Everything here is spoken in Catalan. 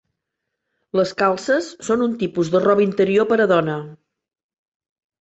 Les calces són un tipus de roba interior per a dona.